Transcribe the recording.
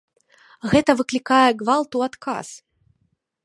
Гэта выклікае гвалт у адказ.